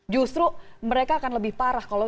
justru mereka akan lebih parah kalau